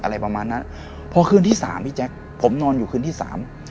อะไรประมาณนั้นพอคืนที่สามพี่แจ๊คผมนอนอยู่คืนที่สาม